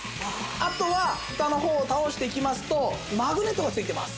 あとはフタの方を倒していきますとマグネットが付いてます。